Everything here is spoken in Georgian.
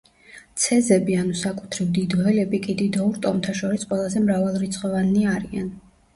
ცეზები ანუ საკუთრივ დიდოელები კი დიდოურ ტომთა შორის ყველაზე მრავალრიცხოვანნი არიან.